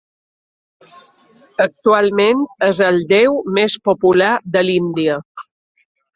Actualment és el déu més popular de l'Índia.